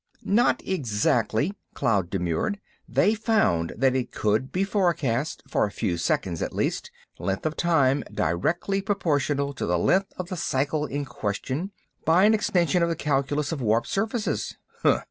"Not exactly," Cloud demurred. "They found that it could be forecast, for a few seconds at least—length of time directly proportional to the length of the cycle in question—by an extension of the calculus of warped surfaces."